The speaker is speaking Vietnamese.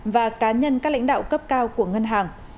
và cá nhân các lãnh đạo cấp cao của ngân hàng